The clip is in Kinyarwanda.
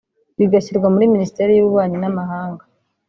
bigashyirwa muri Minisiteri y’Ububanyi n’amahanga